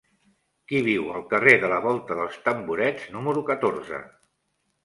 Qui viu al carrer de la Volta dels Tamborets número catorze?